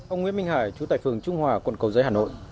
ông nguyễn minh hải chủ tài phường trung hòa quận cầu giấy hà nội